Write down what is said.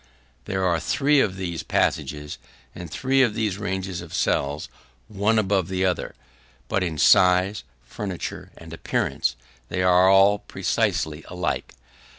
There are three of these passages, and three of these ranges of cells, one above the other; but in size, furniture and appearance, they are all precisely alike.